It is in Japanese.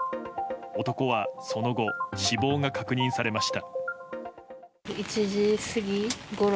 男はその後死亡が確認されました。